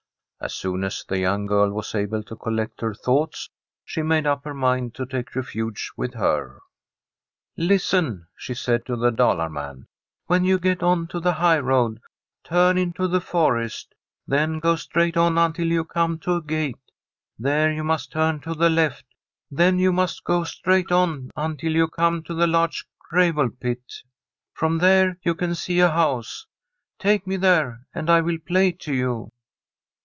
As soon as the young girl was able to coiSect her thoughts, she made up her mind to take rrfujTC with her. • listen.' she said to the Dalar man. ' When w« get onto the highroad, turn into the forest ; then p> straight on until you come to a gate ; there wxi must turn to the left: then you must go straight on until vou come to the large gravel pit. (561 Tbi STORY of a COUNTRY HOUSE From there you can see a house : take me there, and I will play to you.'